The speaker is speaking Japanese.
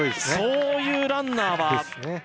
そういうランナーはですね